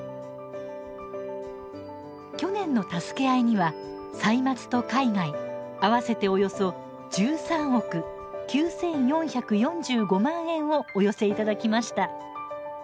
去年の「たすけあい」には「歳末」と「海外」、合わせておよそ１３億９４４５万円をお寄せいただきました。